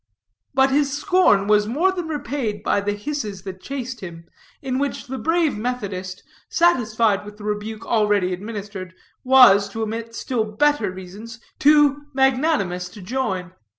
But his scorn was more than repaid by the hisses that chased him, in which the brave Methodist, satisfied with the rebuke already administered, was, to omit still better reasons, too magnanimous to join.